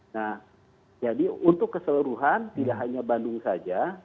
nah jadi untuk keseluruhan tidak hanya bandung saja